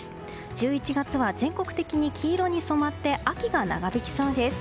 １１月は全国的に黄色に染まって秋が長引きそうです。